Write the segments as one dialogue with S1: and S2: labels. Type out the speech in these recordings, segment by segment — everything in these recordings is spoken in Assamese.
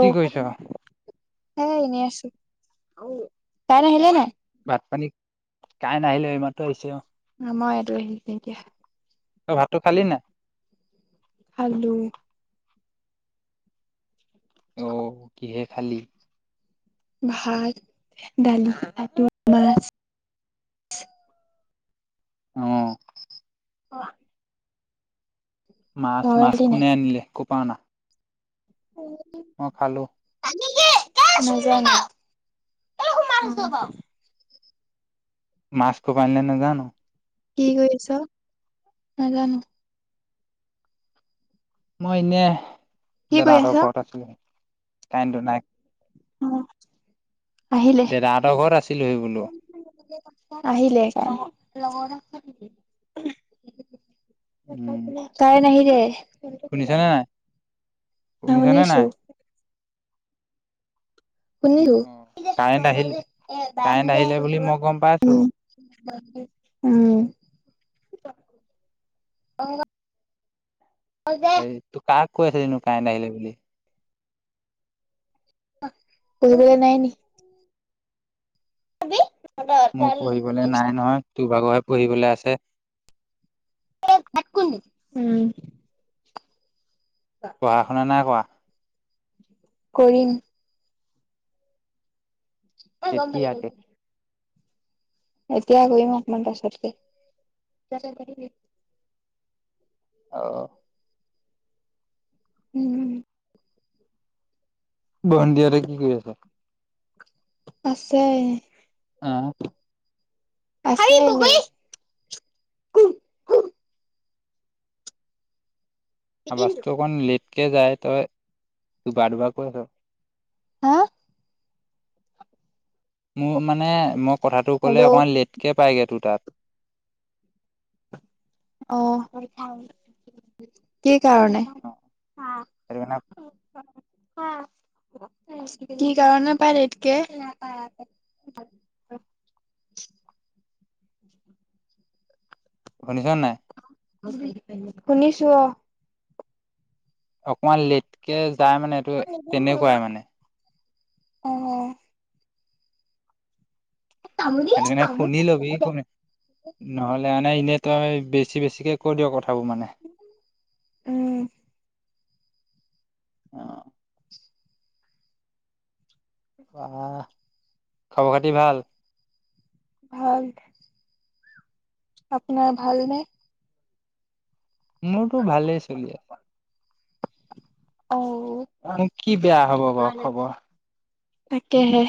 S1: কি কৰিছ?
S2: সেই এনেই আছো। কাই নাহিলে নাই
S1: মানে কাই নাহিলে ইমানতো আহিছে।
S2: মইটো আহি এতিয়া।
S1: অ ভাতটো খালি নাই?
S2: খালো।
S1: অ কিহে খালি?
S2: ভাত, দালি, মাছ।
S1: অ।
S2: অ।
S1: মাছ মাছ
S2: নাই?
S1: কোনে আনিলে ক' পা অনা? মই খালোঁ।
S2: কেলে চিনি নেপাও।
S1: মাছ কপা আনিলে নেজানো।
S2: কি কৰিছ? নাজানো
S1: মই এনে
S2: কি কৰি আছ?
S1: দাদাহতৰ ঘৰত আছো। কাইটো নাই।
S2: উহ।
S1: দেদাহঁতৰ ঘৰত আছিলো সি বোলো।
S2: আহিলে কাই লগৰ। কাইন আহিলে।
S1: শুনিছা নাই শুনিছা
S2: শুনিছো,
S1: নাই?
S2: শুনিব
S1: অ',
S2: যে ত
S1: কাৰেণ্ট
S2: ক
S1: আহিলে
S2: এ
S1: কাৰেণ্ট
S2: বিয়।
S1: আহিলে বুলি মই গম পাইছো।
S2: উম।
S1: এই তোৰ কাক কৈ আছিলনো তাই কাইন বুলি।
S2: কৰিবলে নাই নেকি? ি [unintelligible]
S1: তোৰভাগৰহে পঢ়িবলৈ আছে।
S2: উম।
S1: পঢ়া শুনা নাই কৰা?
S2: কৰিম। অ গম পাৰি।
S1: কেতিয়াকে
S2: এতিয়া কৰিম অকমান পাছতকে।
S1: অ।
S2: উম।
S1: ভনতিহতে কি কৰি আছে?
S2: আছে।
S1: অ।
S2: আছে।
S1: আ বাছটো অকণ লেটকে যায় তই বাৰ দুবাৰ কৈ আছ।
S2: হা?
S1: মোৰ মানে মই কথাটো ক'লে
S2: হেল্ল'।
S1: অকমান লেটকে পাইগৈ তোৰ তাত।
S2: অ কি কাৰণে?
S1: অ', সেইটো কাৰণে
S2: অহ। কি কাৰণে পাই লেখকে? [inaudible]
S1: শুনিছ নাই?
S2: শুনিছো অ'।
S1: অকমান লেটকে যায় মানে এইটো তেনেকুৱাই মানে।
S2: অ'।
S1: সেইটো কাৰনে শুনি লবি নহ'লে আনে এনেই তই বেছি-বেছিকে কৈ দিয়ক কথাবোৰ মানে।
S2: উম'।
S1: অ'। আহ, খবৰ খাতি ভাল?
S2: ভাল। আপোনাৰ ভালনে?
S1: মোৰতো ভালেই চলি আছে।
S2: অ'।
S1: ন কি বেয়া হ'ব বাৰু খবৰ?
S2: তাকেহে,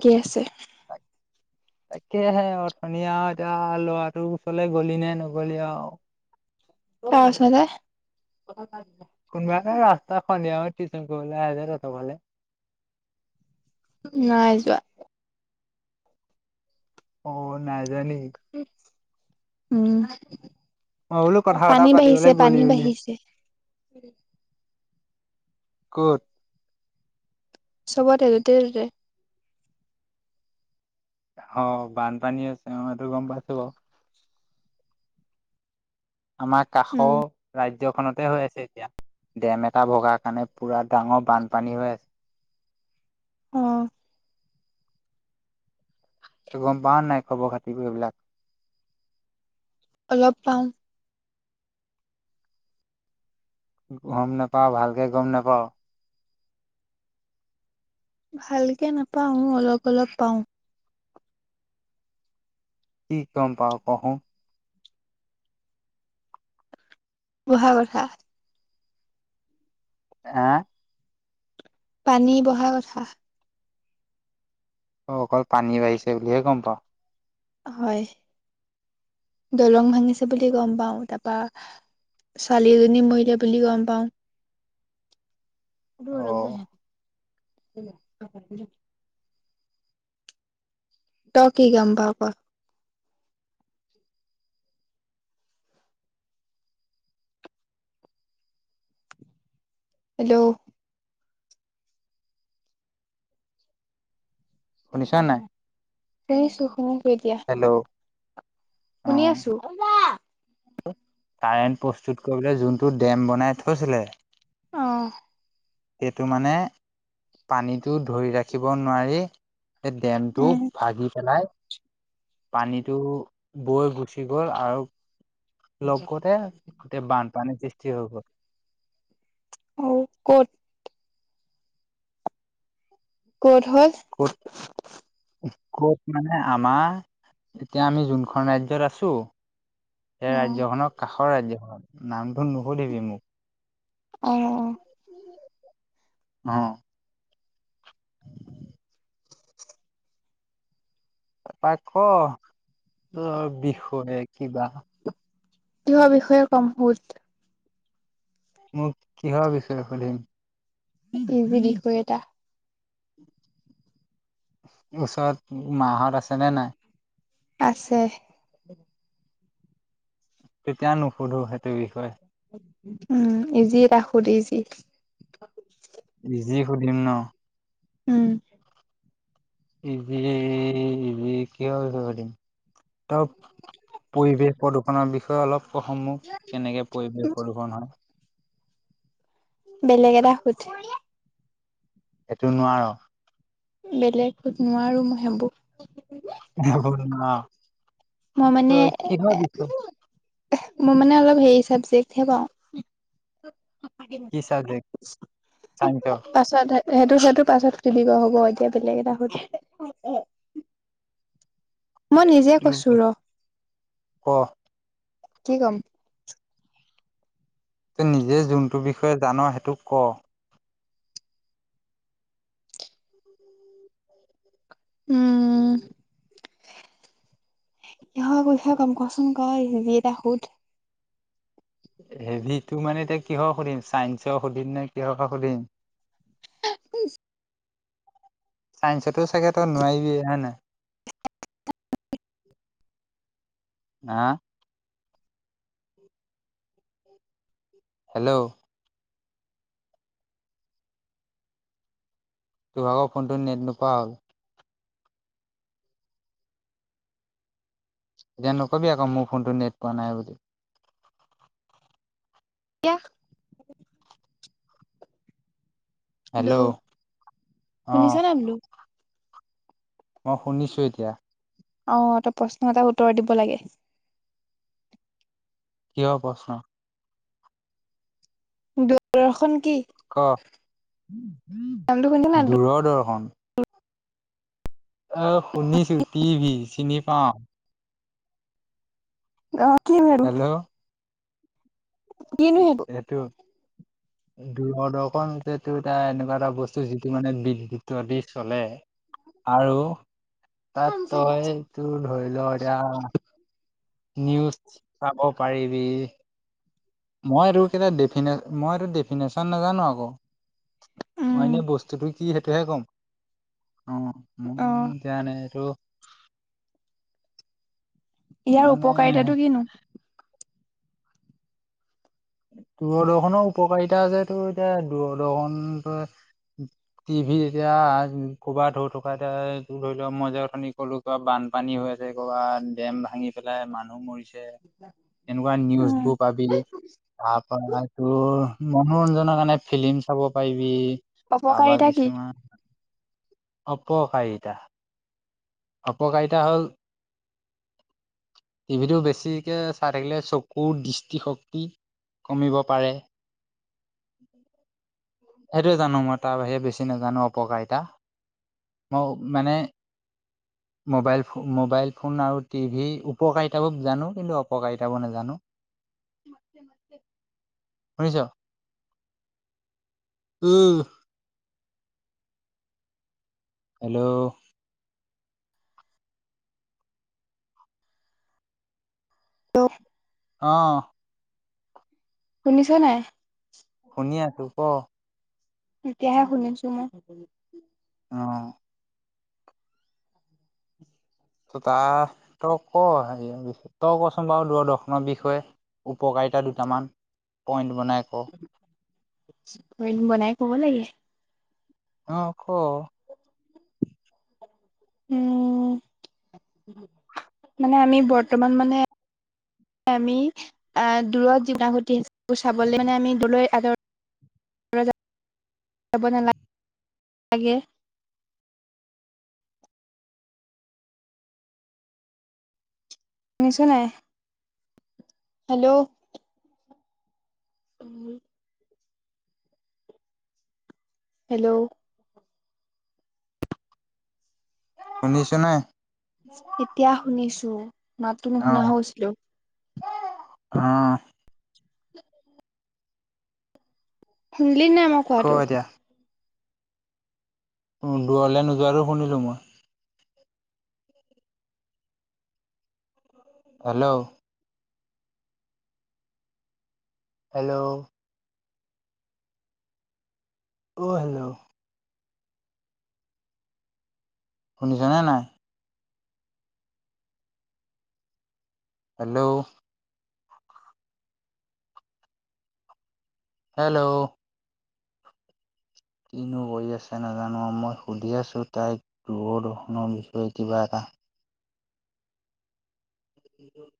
S2: কি আছে?
S1: তাকেহে অথনি আৰু এতিয়া ল'ৰাটোৰ ওচৰলৈ গলি নে নগলি আৰু?
S2: তই আছ যে।
S1: কোনোবাই এটা ৰাস্তা পানী টিচন কৰিবলৈ আহে যে তহতৰ ঘৰৰলে।
S2: নাই যোৱা।
S1: অ', নাইযোৱা নি?
S2: উম'।
S1: মই বোলো কথা এটা
S2: পানী
S1: পাতিবলৈ গ'লি
S2: বাঢ়িছে-পানী
S1: বুলি
S2: বাঢ়িছে।
S1: ক'ত?
S2: চবতে য'তে-ত'তে।
S1: অ', বানপানী হৈছে মই সেটো গম পাইছো বাৰু। আমাৰ কাষৰ
S2: উম
S1: ৰাজ ৰাজ্যখনতে হৈ আছে এতিয়া, ডেম এটা ভগা কাৰণে পুৰা ডাঙৰ বানপানী হৈ আছে।
S2: অ'।
S1: গম পাৱ নাই খবৰ খাতিবোৰ এইবিলাক?
S2: অলপ পাওঁ।
S1: গম নেপাও ভালকে গম নেপাও।
S2: ভালকে নাপাও অলপ-অলপ পাওঁ।
S1: কি গম পাও কহোন?
S2: বহা কথা।
S1: আ?
S2: পানী বঢ়হা কথা।
S1: অ', অকল পানী বাঢ়িছে বুলিহে গম পাওঁ?
S2: হয়, দলং ভাঙিছে বুলি গম পাও তাৰ বা ছোৱালি এজনী মৰিলে বুলি গম পাও।
S1: অ'
S2: [unintelligible] তই কি গম পাৱ ক? হেল্ল'?
S1: শুনিছ নাই? হেল্ল'
S2: [unintelligible]
S1: অ'
S2: শুনি আছো
S1: কাৰেণ্ট প্ৰস্তুত কৰিবলৈ যোনটো ডেম বনাই থৈছিলে
S2: অ'।
S1: সেইটো মানে পানীটো ধৰি ৰাখিব নোৱাৰি সেই ডেমটো
S2: উম
S1: ভাগি পেলাই পানীটো বৈ গুচি গ'ল আৰু লগ কৰোতে গোটেই বানপানীৰ সৃষ্টি হৈ গ'ল।
S2: অ ক'ত? ক'ত হ'ল?
S1: ক'ত ক'ত মানে আমাৰ এতিয়া আমি যোনখন ৰাজ্যত আছো। সেই
S2: অ
S1: ৰাজ্যখনক কাষৰ ৰাজ্যখন নামটো নুশুধিবি মোক।
S2: অ, অ'
S1: অ' তই ক তোৰ বিষয়ে কিবা
S2: কিহৰ বিষয়ে কম মোত
S1: মোক কিহৰ বিষয়ে সুধিম।
S2: বিষয় এটা [unintelligible]
S1: ওচৰত মা'হত আছে নে নাই?
S2: আছে।
S1: এতিয়া নুসুধো সেইটো বিষয়ে।
S2: উম ইজি এটা সোধ ইজি।
S1: ইজি সুধিম ন
S2: উম
S1: ইজি কিহৰ বিষয়ে শুধিম তেওঁ পৰিৱেশ প্ৰদূষণৰ বিষয়ে অলপ সমূহ কেনেকে পৰিৱেশ প্ৰদূষণ হয়
S2: বেলেগ এটা শুধ
S1: সেইটো নোৱাৰ
S2: বেলেগ শুধ নোৱাৰো মই সেইবোৰ
S1: নোৱাৰ
S2: মই মানে
S1: তই কিহৰ বিষয়
S2: মোৰ মানে অলপ হেৰি চাবজেক্টহে
S1: কি চাবজেক্ট
S2: পাওঁ
S1: চাইন্সৰ
S2: পাছত সেইটো সেইটো পাছত কিনিব হ'ব এতিয়া বেলেগ এটা শুধ [unintelligible] মই নিজে কৈছো ৰ
S1: ক
S2: কি কম
S1: ত নিজে যোনটো বিষয়ে জান সেইটো ক
S2: উম কিহৰ কথা কম কচোন ক হেৰী এটা সুধ
S1: হেভি তো মানে এতিয়া কিহৰ সুধিম চাইন্ঞ্চক সুধিম নে কিহকে সুধিম [unintelligible]
S2: [unintelligible] [inaudible]
S1: চাইন্সতো চাগে তই নোৱাৰিবিয়ে হয় নাই হা হেল্ল' তোভাগৰ ফোনটো নেট নোপোৱা হ'ল এতিয়া নকবি আকৌ মোৰ ফোনটো নেট পোৱা নাই বুলি
S2: কিয়া হেল্ল'
S1: অ
S2: শুনিছা নাই বুলো
S1: মই শুনিছো এতিয়া
S2: অ ত প্ৰশ্ন এটা উত্তৰ দিব লাগে
S1: কিহৰ প্ৰশ্ন
S2: দূৰদৰ্শন কি?
S1: ক
S2: নামটো শুনিছ নাই?
S1: দূৰ দৰ্শন আ শুনিছো টিভি চিনি পাওঁ
S2: অ কি নো
S1: সেইটো দূৰদৰ্শন যেটো এটা এনেকুৱা এটা বস্তু যিটো মানে বিদ্যুত দি চলে [unintelligible] আৰু তাত তই তোৰ ধৰি ল এতিয়া নিউজ চাব পাৰিবি। মই এইটো কেলা মই এই ডেফিনেশ্যন নাজানো আকৌ। মই
S2: উম
S1: এনে বস্তুটো কি সেইটোহে কম। অ',
S2: অ
S1: মই দিয়া নাই এইটো
S2: ইয়াৰ
S1: মানে
S2: উপকাৰিতাটো কিনো?
S1: দূৰদৰ্শনৰ উপকাৰিতা আছে টোৰ এতিয়া দূৰদৰ্শন টিভি এতিয়া কৰ'বাত ধৌ থকা এতিয়া ধৰি লোৱা মইযে অথনি কলো কিবা বান বানপানী হৈ আছে কৰবাত ডেম ভাঙি পেলাই মানুহ মৰিছে। তেনেকুৱা
S2: উম
S1: নিউজবোৰ পাবি তাৰপৰা তোৰ মনোৰঞ্জনৰ কাৰণে ফিল্ম চাব পাৰিবি, তাপা
S2: অপকাৰিতা কি?
S1: কিছুমান অপকাৰিতা। অপকাৰিতা হ'ল
S2: [inaudible]
S1: টিভিটো বেছিকে চাই থাকিলে চকুৰ দৃষ্টিশক্তি কমিব পাৰে।
S2: [inaudible]
S1: সেইটোৱে জানো মই তাৰ বাহিৰে বেছি নাজানো অপকাৰিতা। ম মানে মবাইল-মোবাইল ফোন আৰু টিভি উপকাৰিতাবোৰ জানো কিন্তু অপকাৰিতাবো নাজানো। শুনিছ? উম'। হেল্ল'?
S2: ত
S1: অ?
S2: শুনিছ নাই?
S1: শুনি আছো ক?
S2: এতিয়াহে শুনিছো মই।
S1: অ ত তাৰ তই ক হে তই কচোন বাৰু দূৰদৰ্শনৰ বিষয়ে। উপকাৰিতা দুটামান পইণ্ট বনাই ক।
S2: বনাই ক'ব লাগে?
S1: অ', ক?
S2: উম, মানে আমি বৰ্তমান মানে আমি অ, দূৰত যি [unintelligible] ঘতি চাবলে মানে আমি দলৈ [unintelligible] লাগে [inaudible] শুনিছ নাই? হেল্ল'? উম'। হেল্ল'?
S1: শুনিছো নে?
S2: এতিয়া শুনিছো মাতটো
S1: অ
S2: নুশুনা হৈছিলো।
S1: অ'।
S2: [inaudible] শুনিলি নাই মই
S1: ক
S2: কোৱাটো?
S1: দূৰলৈ নোযোৱাটো শুনিলো মই। হেল্ল'? হেল্ল'? অ, হেল্ল'? শুনিছনে নাই? হেল্ল'? হেল্ল'? কিনো কৰি আছে নাজানো মই সুধি আছো তাইক দূৰ দৰ্শনৰ বিষয়ে কিবা এটা? [inaudible]